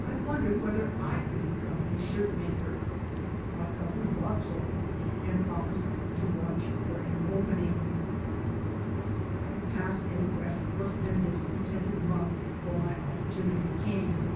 I wondered whether I could become a shirt maker. My cousin thought so, and promised to watch for an opening. I passed a restless and discontented month before my opportunity came.